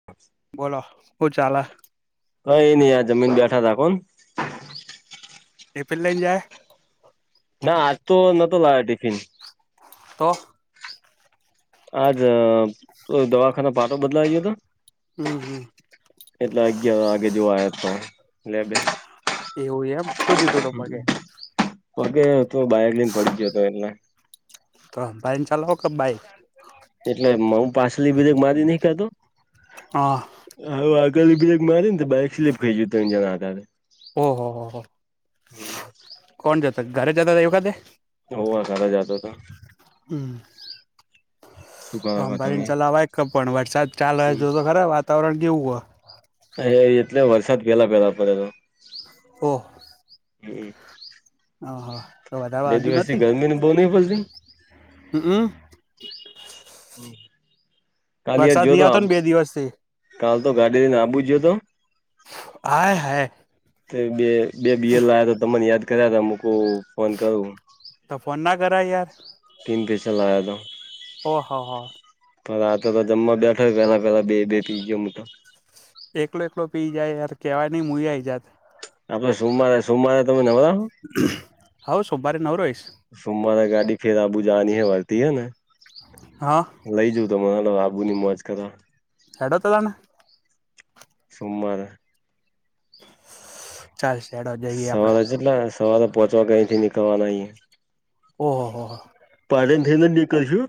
[inaudible] બોલો હું ચાલે. કાયે ની આ જમીન બેઠાતા કોણ ટિફિન લઈને જાય ના આજ તો નોતો લાયો ટિફિન તો. આજ દવાખાના પાટો બદલાવી ગયો હતો. હમ હમ એટલે અગિયાર વાગે જોવા આયો તો એટલે બે એવું એમ શું થિયું તું તો પગે પગે તો બાઈક લઈને પડી ગયો તો એટલે ત્રળ બાઈન ચલાવો કે બાઈક એટલે હું પાસલી બ્રેક મારી ની કેતો હા. હો આગળ ની બ્રેક મારી ને તો બાઈક સ્લીપ ખાઈ ગઈ ત્રળ જણા હતા તે ઓહ હો હો કોણ જતા ઘરે જતા હતા એ વખતે હોવે ઘરે જતો તો. હમ્મ. શું કરો તમે હંભારીને ચલાવાય કે પણ વરસાદ ચાલે હ જો તો ખરે વાતાવરણ કેવું હો તે એટલે વરસાદ પેલા પેલા પડેલો. હો. હમ્મ. હા હા. તો વધારે બે વાગ્યું દિવસ થી ગરમી બોની પડતી? હુંકુ. કાલ યાર વરસાદ જો નહી તો આ, આવતો ને બે દિવસ થી કાલ તો ગાડી લઈને આબુ ગ્યો તો. આય હાય. બે બે બિયર લાયા તો તમને યાદ કર્યા હતા મુકુ ફોન કરું. તો ફોન ના કરાય યાર. કિંગફિશર લાયો તો. ઓહ હો હો. પણ રાતે તો જમવા બેઠો પેલા પેલા બે બે પી ગયો હું તો. એકલો એકલો પી જાય યાર કેવાય ની મુએ આઈ જાત. આપડે સોમવારે સોમવારે તમે નવરા હો? હા સોમવારે નવરો હોઈશ. સોમવારે ગાડી ફેર આબુ જવાની હે હે વરદિ હે ને. હા. લઈ જઉ તમને હાલો આબુની મોજ કરવા. હેડો તો તા. સોમવારે. ચાલશે હેડો. જઈએ આપડે સવારે જેટલા સવારે પોહચવા કઈ થી નીકળવાના અઈએ. ઓહા હો હો. [unintelligible] થઈને જ નીકળશું.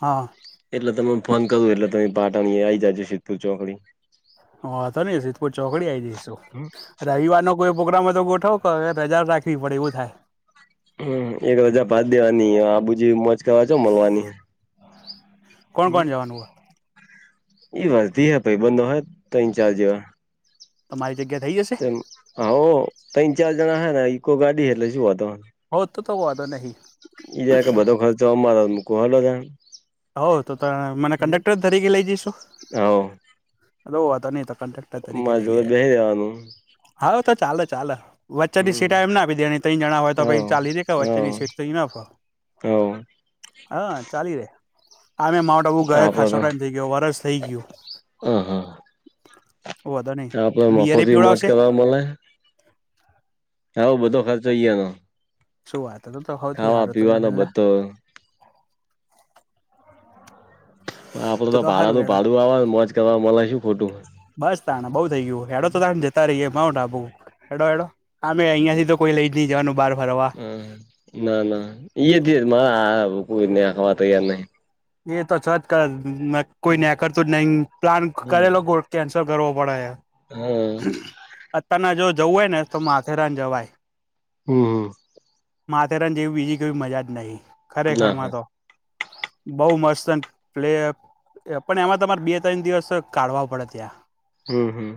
હા. એટલે તમને ફોન કરો એટલે તમે પાટણ આ આવી જજો સિદ્ધપુર ચોકડી. વાંધો નહી સિદ્ધપુર ચોકડી આઈ જઈશું. રવિવારનો કોઈ પ્રોગ્રામ હોય તો ગોઠવો ક રજા રાખવી પડે એવું થાય. હમ્મ, એક રજા પાત દેવાની આબુ જેવી મોજ કરવા જો [unintelligible] કોણ હમ્મ, કોણ જવાનું હોય ઈ વર્ધી હે ભઈબંધો હે ત્રણ ચાર જેવા. તો મારી જગ્યા થઈ જશે? હાહો તન ચાર જણા હે ને ઈકો ગાડી એટલે શું વાંધો. હો તો તો વોધો નહી. ઈ જાય કે બધો ખર્ચો અમારો મુકો હાલો [unintelligible] હો તો ત મને કંડેક્ટર જ તરીકે લઈ જઈશું, હોવ હલો વાધો નહી તો કડેક કટર તરીકે માર લઈ જોડે જાય, બેહી રેવાનું હાલો તો ચાલે ચાલે. વચ્ચેની હમ સીટ એમને આપી દેવાની ત્રન જણા હોય તો હોવ પછી ચાલી દે વચ્ચેની સીટ તો ઈનઅફ હોય. હવ. હા ચાલી રે. આમે માઉન્ટ આબુ ગયા આપડે ખાશો તો ટાઈમ થઇ ગયો વરસ થઇ ગયું. હ હા વાંધો નહીં આપડે મફત બિયરે ની મોજ પીવડાવશે કરવા મલે. હ ઓ બધો ખર્ચ ઈ યાનો. શું વાત એ હોથી પીવાનો હારું લે [unintelligible] બધો આપડે તો ભાડા નું ભાડું આવે મોજ કરવા મલે શું ખોટું. બસ તાને બઉ થઈ ગયું હેડો તો તા જ ત્યારે માઉન્ટ આબુ હેડો હેડો આમે અહિયા થી તો કોઈ લઈ જ નઈ જવાનું બહાર ફરવા. હમ્મ, ના ના ઈ જ મા આ મા આ કોઈ નયા આવા તૈયાર નહી. એ તો છ જ કર ન કોઈ ન્યા કરતું જ નહી પ્લાન હમ કરેલો કો કેન્સલ કરવો પડે હે. હા અત્યારના જો જવું હોય ને તો માથેરાન જવાય. હમ હમ માથેરાન જેવી બીજી કોઈ મજા જ નહી. ના ખરેખર હોય માં તો. બઉ મસ્ત પ્લે એ પણ એમાં તમારે બે તણ દિવસ કાઢવા પડે ત્યાં. હમ હમ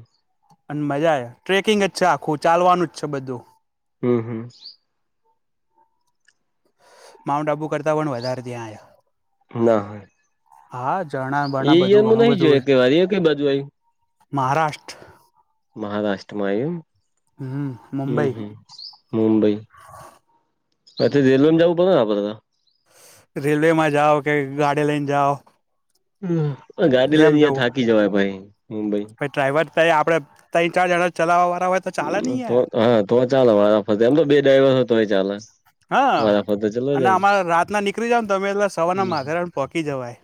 અને મજા આય ટ્રેકિંગ જ છે આખું ચાલવાનું જ છે બધું. હમ હમ માઉન્ટ આબુ કરતાં પણ વધારે ત્યાં હહ. ના હોય હા ઝરણા એ બરણા બધું ઈયરમાં ઘણું નહી બધું જોય હોય. કે વાર એ કઈ બાજુ આવ્યું મહારાષ્ટ્ર મહારાષ્ટ્રમાં એમ? હમ હમ મુંબઈ હમ મુંબઈ. ત્યાંથી રેલવેમાં જાવું પડે ને આપણને? રેલવેમાં જાઓ કે ગાડી લઈને જાઓ. હમ પણ ગાડી લઈને જેમ ન્યા જવું થાકી જવાય ભાઈ મુંબઈ. ડ્રાઈવર તઈ આપણે તન ચાર જણા ચલાવવાળા હોય. તો ચાલે નહી તો યાર હા તો ચાલે વારાફરતી આમ તો બે ડ્રાઈવર હોય તોય ચાલે. હા વારા ફરતે ચલો અને જાય અમા ને રાતના નીકળી જાવ ને તમે એટલે સવારના માથેરાન પોકી જવાય.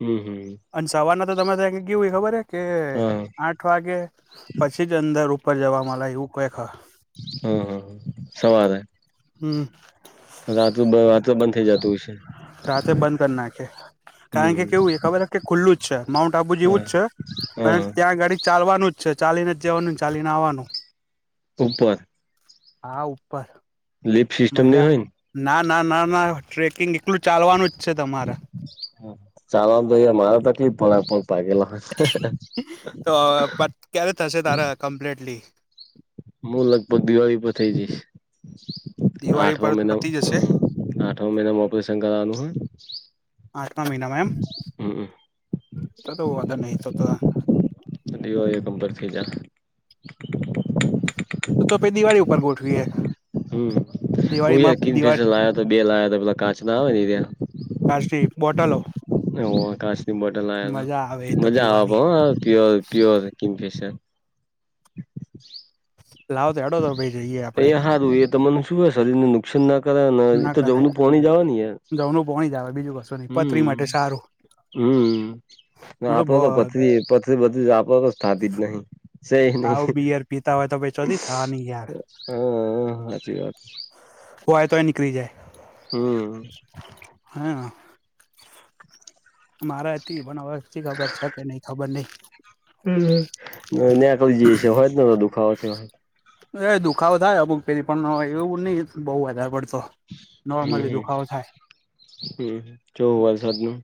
હમ હમ અને સવારના તો તમારે ત્યા કેવું હોય ખબર હેકે હા આ આઠ વાગે પછી જ અંદર ઉપર જવા મલે એવું કંઈક હે. હમ હમ હમ સવારે? હમ રાતું રાતના બંધ થઈ જાતું હશે? રાતે બંધ કર નાખે. કારણ કે હમ કેવું એ ખબર કે ખુલ્લું જ છે. માઉન્ટ આબુ જેવું હા જ છે અને હા ત્યાં ગડી ચાલવાનું જ છે ચાલીને જ જવાનું ને ચાલીને આવાનું. ઉપર? હા ઉપર. લિપ સિસ્ટમ નહીં મજા હોઈ ને? ના ના ના ના ટ્રેકિંગ એકલું ચાલવાનું જ છે તમારે. ચાલવામાં તો યાર મારે તકલીફ પડે પગ ભાગેલા. તો હવે પત ક્યારે થશે તારે હવે કમ્પ્લેટલી? મું લગભગ દિવાળી પર થઇ જઈશ. દિવાળી પર આઠમા પતી જશે મહિનામાં આઠમા મહિનામાં ઓપરેશન કરાવાનું હોય. આઠમા મહિનામાં એમ? હમ અ તો તો વોધો નહી તો તો [unintelligible] તો તો પહી દિવાળી ઉપર ગોઠવીએ. હમ હુએ દિવાળીમાં કિંગફિશર દિવાળી લાયો તો બે લાયો તો પેલા કાચના આવે ને એર્યા. કાચની બોટલો? હું એ કાચની બોટલ લાયો તો. મજા આવે એ તો મજા આવે પીવાની પણ હહ આ પ્યોર પ્યોર કિંગફિશર. [inaudible] લાવ તો હેંડો તો પછી જઈએ એ આપડે હારું એ તમને શુંય શરીરને [unintelligible] [unintelligible] ના તો કરે જવનું પોણી જ આવે ન યાર જમનું પોણી જ આવે બીજું કશું નહી પથરી માટે સારું હમ આપડે તો પથરી પથરી બધું જ આપડે તો થતી જ નહી. સઈ નહિ આવું બીયર પીતા હોય તો ભાઈ ચોથી થવાની યાર હા સાચી વાત. હોય તોય નીકળી જાય. હમ. હા મારે હતી પણ હવે શિ ખબર છે કે નહી ખબર નહી. [unintelligible] હોય ને દુખાવો થયો હોય. એ દુખાવો થાય અમુક ફેરી પણ એવું નહિ બહુ વધારે પડતો. હમ નોર્મલી હમ દુખાવો થાય હ જો વરસાદનું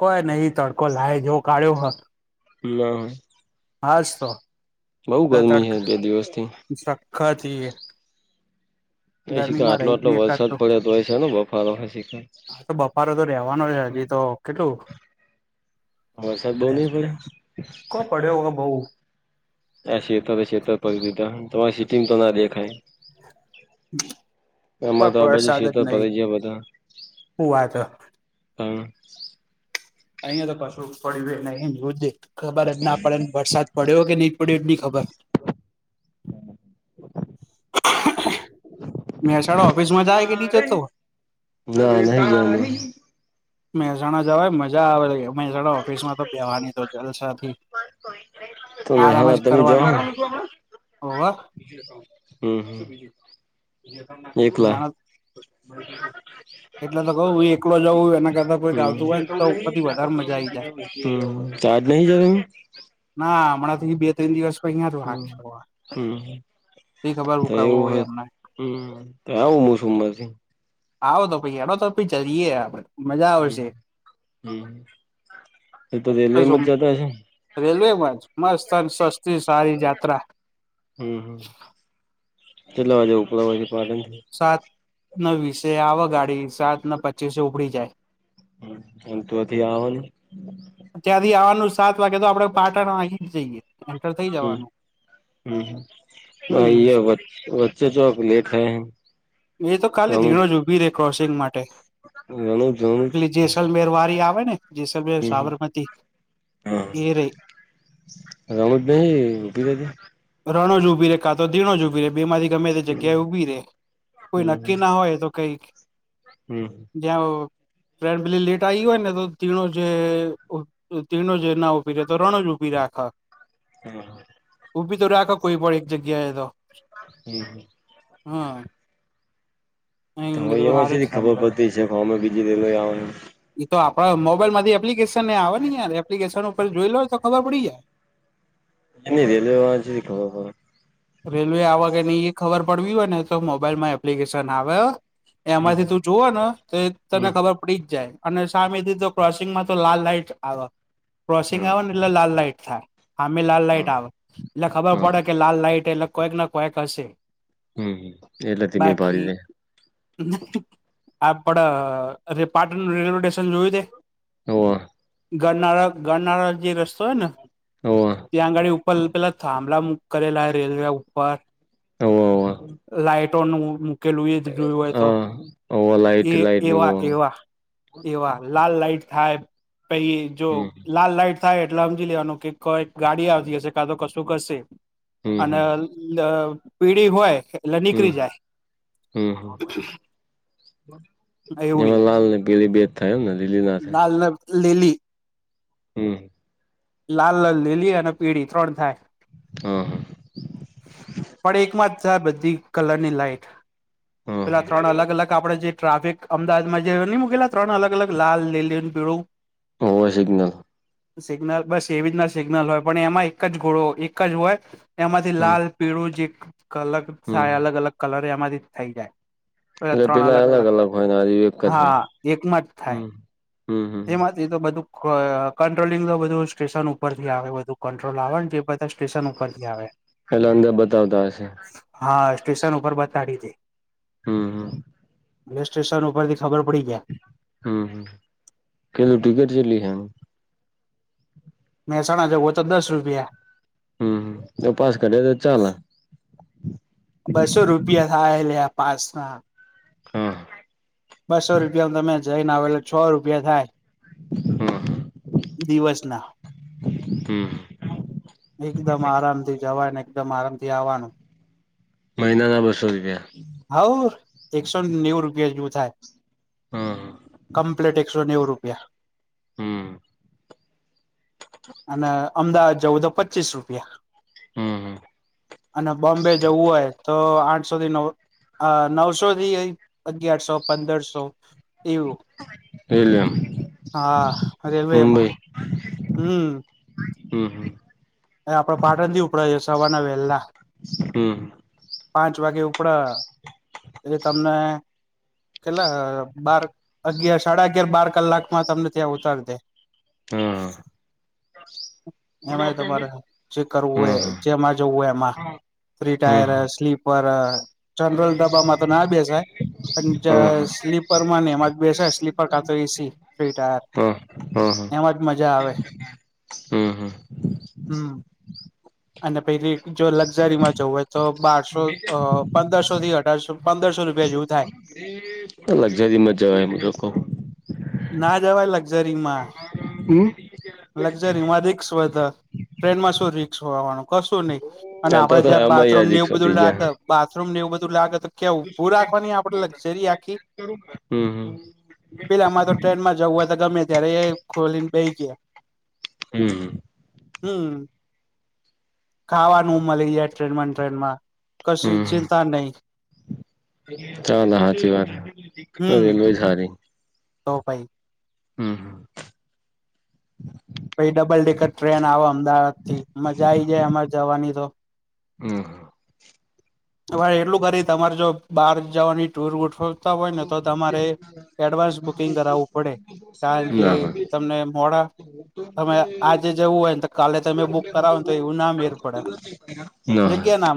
કોઈ નહી તડકો લાય જેવો કાઢ્યો હે ના હાસ્તો બઉુ ગરમી છે બે દિવસ થી. [unintelligible] [unintelligible] ગરમીમાં આટલો રહી જ આટલો નહી એકાદ વરસાદ તો પડ્યો તોય છે ને બફારો હજી તો. તો બફારો તો રેવાનો હજી તો કેટલું વરસાદ બહુ રે નહી છે પડે કો પડ્યો હ બહુ [unintelligible] સીટીંગ તો ના દેખાય. એમાં તો પણ આ વરસાદ જ નહી બાજુ [unintelligible] બધા હું વાત હ. હ અહિયાં તો કશું પડ્યુ એ નહીં [unintelligible] ખબર જ ના પડેને વરસાદ પડ્યો કે નહી પડ્યો એજ ની ખબર. [inaudible] મહેસાણા ઓફિસ માં જાય કે નહી જતો ના [unintelligible] મેહસાણા જવાય મજા આવે એમ. [unintelligible] ઓફિસ માં તો બેવાની તો જલસાથી [unintelligible] આરામ જ કરવાનો હોય હોવે હમ એકલા. મહેનત [unintelligible] એટલે તો કઉ હું એકલો જઉં એના કરતા કોઈક આવતું હોય તો ઉપર થી વધારે મજા આઈ જાય હમ તો આજ નહી જવુ. ના હમણાં થી બે ત્રણ દિવસ તો અહિયાં નું રાખ્યું આ. હમ તો એવું હોય હમ તો આવું મુસુમમાંથી. આવો તો પછી હેંડો તો પછી જઈએ આપડે. મજા હમ આવશે હમ એ તો રેલવેમાં જ જતા હશે ને. રેલવે માંજ મસ્ત આમ સસ્તી સારી જાત્રા. હમ હમ કેટલા વાગે ઉપડવાની પાલન થી. સાત ને વીસે આવે ગાડી સાત ને પચીસે ઉપડી જાય. હ અને ત્યૉથી આવો ને ત્યાંથી આવવાનું સાત વાગે તો આપડે પાટણ માં આઈ જ જઈએ એન્ટર થઈ હમ જવાનું. હમ [unintelligible] હમ વચ્ચે. [unintelligible] એ તો ખાલી રણુજ ધીણો જ ઉભી રે ક્રોસિંગ માટે રણુજ રણુજ પેલી જેસલમેર વારી આવે ને જેસલમેર હમ હમ સાબર હા [unintelligible] ઊભી રેતી રણોજ ઉભી રે કાંતો ધીનોજ ઉભી રે બેમાંથી ગમે તે હમ જગ્યાએ ઉભી રે કોઈ નક્કી ના હોય એ તો કઈક હમ્મ જ્યાં ટ્રેન ભલેલી લેટ આવી હોયને તો ધીણો જ ધીણો જ ના ઉભી રહેે તો રણો જ ઊભી આખા હા ઊભી તો રાખો કોઈ પણ એક જગ્યાએ તો હમ્મ હા તો હવે કીધું એમાં હારું જ શેની ખબર સેન્ટ્રલ પડતી હશે કે અમે બીજી [unintelligible] ઈતો આપણા મોબાઈલ માંથી એપ્લિકેશન નેય આવે ને યાર એપ્લિકેશન ઉપર જોઈ લો તો ખબર પડી જાય રેલવેમાં થીય ખબર પડે રેલવે આવા કે ની એ ખબર પડવી હોય ને તો મોબાઈલમાં એપ્લિકેશન આવે હમ એમાંથી તું જુવે ને તો એ તને હમ. ખબર ઉપડી જ જાય અને સામેથી તો ક્રોસિંગમાં તો લાલ લાાઈટ આવે ક્રોસિંગ હમ આવે ને એટલે લાલ લાઈટ થાય સામે લાલ હમ લાઈટ આવે એટલે ખબર હમ પડે કે લાલ લાઈટ એટલે કોઈક ને કોઈક હશે હમ્મ એટલે ધીમે ભારી બાકી લે આપડ પાટણ રેલવે જોયું તે હોવે ગરનાળા ગરનાળા જે રસ્તો હેને હોવે. ત્યાં આ ગાડી ઉપર પેલા થાંભળક કરેલા રેલવે ઉપર હોવે હોવે લાાઈટોનું મૂકેલું એ જ જોયું હોય તો હા હોવે લાઈટ એ લાઈટ નું એવા હોવે એવા એવા લાલ લાઈટ થાય પહી જો હમ લાલ લાઈટ થાય એટલે સમજી લેવાનું કે કઈક ગાડી આવતી હશે કા તો કશુંક હશે હમ અને હમ. પીળી હોય હમ્મ નીકળી જાય હમ્મ હમ્મ એવું એમાં છે લાલને પેલી બે જ થાય હને લીલી ના થાય લિલી હમ્મ લાલ લલ લીલી અને પીળી ત્રણ થાય હા પણ એકમાં જ જાય બધી કલરની લાઈટ હા. પેલા ત્રણ અલગ અલગ આપડે જે ટ્રાફિક અમદાવાદમાં જે મૂકેલા ત્રણ અલગ અલગ લાલ લીલું ને પીળું હોવે સિગ્નલ સિગ્નલ બસ એવી જ સિગ્નલ હોય પણ એમાં એક જ ગોળો એક જ હોય એમાંથી હમ લાલ પીળું જે કલગ હમ. અલગ અલગ કલર એમાંથી થઇ જાય એટલે પેલા અલગ અલગ હોય આયરુ એક જ હોય હા હમ્મ હમ્મ એ તો બધું કંટ્રોલિંગ તો બધું સ્ટેશન ઉપરથી આવે બધું કંટ્રોલ આવે ને જે સ્ટેશન ઉપરથી આવે એટલે અંદર બતાવતા હશે હા સ્ટેશન ઉપર બતાડી દે હમ્મ હમ્મ પોલીસ સ્ટેશન ઉપરથી ખબર પડી જાય હમ હમ કનું ટિકટ ચેટલી હનું. મહેસાણા જવુ હોય તો દસ રૂપિયા. હમ તો પાસ કરે તો ચાલ. બસો રૂપિયા થાયલે આ પાસમાં. હા. બસો રૂપિયામાં તમે જઈને આવો એટલે છ રૂપિયા થાય. હમ દિવસના. હમ એકદમ આરામ થી જવાય ને એકદમ આરામ થી આવવાનું. મહિના ના બસો રૂપિયા. હોવ એકસો નેવું રૂપિયા જેવું થાય. કમ્પ્લેટ એકસો નેવું રૂપિયા. હમ. અને અમદાવાદ જવું તો પચીસ રૂપિયા. હમ હમ અને બોમ્બે જવું હોય તો આઠસો થી નવ નવસો થી અગિયારસો પંદરસો. એવું એટલે એમ હા રેલવેમાં. મુંબઈ હમ. હમ હમ. આપડે પાટણ થી ઉપડે છે સવારના વહેલા. હમ. પાંચ વાગે ઉપડે એટલે તમને. કેટલા બાર અગિયાર સાડા અગિયાર બાર કલાકમાં તમને ત્યાં ઉતારી દે. હ. એમાંય તમારે જે કરવું હોય હા હા જેમાં જવું હોય એમાં. ફ્રી હા ટાયર સ્લીપર જનરલ ડબ્બામાં તો ના બેસાય. હા પણ સ્લીપર માં ને એમાં જ બેસાય સ્લીપર કાંતો એસી ફ્રી ટાયર. હ હઅ. એમાં જ મજા આવે. હમ હમ. હમ. અને પેલી જો લક્ઝરીમાં જવું હોય તો બારસો પંદરસો થી અઢારસો પંદરસો રૂપિયા જેવું થાય. લક્ઝરીમાં જવાય મેતો કવ. ના જવાય લક્ઝરી માં. હમ. લકઝરીમાં રિસ્ક વધાર ટ્રેનમાં શું રિસ્ક હોવાનું કશું નય. અને આ તો આપડે તો જ્યાં આમાં બાથરૂમ યાર ને એવું રિક્ષો બધું થઈ ગયા લાગે બાથરૂમ ને એવું બધું લાગે કે ઊભું રાખવાની આપણેે લક્ઝરી આખી. હમ પેલામાં તો ટ્રેનમાં જવું હોય તો ગમે ત્યારે એ ખોલીને બેહી ગયા. હમ. હમ. ખાવાનું મળી જાય ટ્રેન માં ટ્રેન માં કશી ચિંતા નય. નાના હાચી વાત હમ રેલવે જ હારી. તો પહિ. હમ. પછી ડબલ ડેકર ટ્રેન આવે અમદાવાદ થી મજા આઈ જાય એમાં જવાની તો હમ. તમારે એટલું ખરી તમારે જો બહાર જવાની ટુર વુર ગોઠવ- તા હોય ને તો તમારે એડવાન્સ બુકિંગ કરાવવું પડે કારણ કે ના તમને મોડા તમે આજે જવું હોય ને તો કાલે તમે બુક કરાવો ને તો એવું ના મેર પડે. [inaudible] જગ્યા ના-